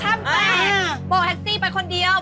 อ่าบอกแท็กซี่ไปคนเดียว